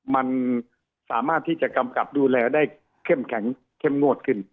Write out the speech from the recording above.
มันสามารถที่จะกำกับดูแลได้เข้มแข็งเข้มงวดขึ้น